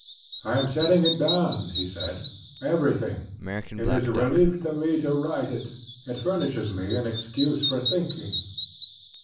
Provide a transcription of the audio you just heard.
ŌĆ£I am setting it down, ŌĆØ he said, ŌĆ£everything. It is a relief to me to write it. It furnishes me an excuse for thinking.